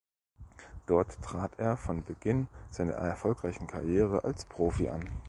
Dort trat er von Beginn seiner erfolgreichen Karriere als Profi an.